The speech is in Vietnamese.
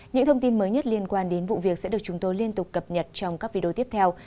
những thông tin mới nhất liên quan đến vụ việc sẽ được chúng tôi liên tục cập nhật trong các video tiếp theo